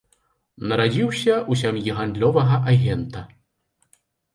Нарадзіўся ў сям'і гандлёвага агента.